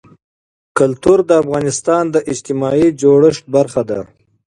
کلتور د افغانستان د اجتماعي جوړښت برخه ده.